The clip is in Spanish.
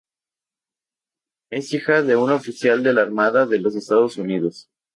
Es hija de un oficial de la Armada de los Estados Unidos.